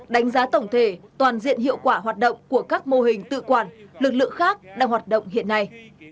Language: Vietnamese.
đánh giá tổng thể toàn diện hiệu quả hoạt động của các mô hình tự quản lực lượng khác đang hoạt động hiện nay